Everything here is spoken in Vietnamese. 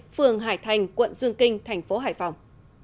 phường hải thành quận dương kinh tp hải phòng